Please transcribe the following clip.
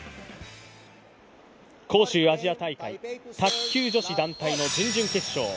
杭州アジア大会、卓球女子団体の準々決勝。